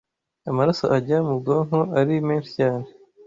amaraso ajya mu bwonko ari menshi cyane